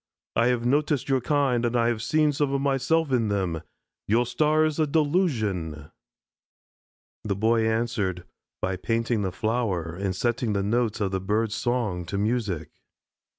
"I have noticed your kind and I ever see some of myself in them. Your star is a delusion." The Boy answered by painting the flower and setting the notes of the bird's song to music.